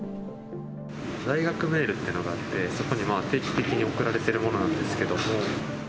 大学メールっていうのがあって、そこに定期的に送られてるものなんですけども。